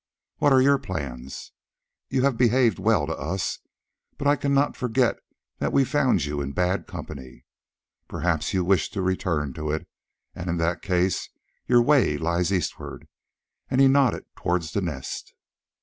What are your plans? You have behaved well to us, but I cannot forget that we found you in bad company. Perhaps you wish to return to it, and in that case your way lies eastward," and he nodded towards the Nest.